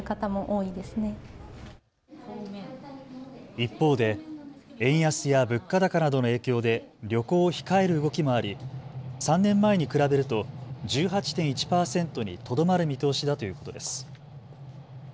一方で円安や物価高などの影響で旅行を控える動きもあり３年前に比べると１８．１％にとどまる見通しだということです。